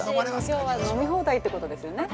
きょうは飲み放題ってことですよね。